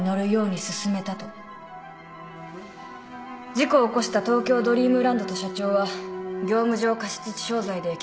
事故を起こした東京ドリームランドと社長は業務上過失致傷罪で起訴された。